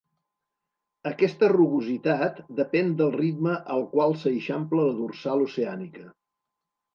Aquesta rugositat depèn del ritme al qual s'eixampla la dorsal oceànica.